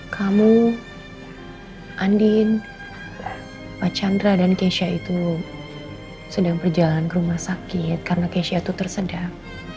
kamu andin pak chandra dan keisha itu sedang berjalan ke rumah sakit karena keisha itu tersedak